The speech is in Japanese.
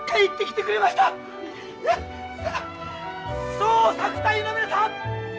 捜索隊の皆さん！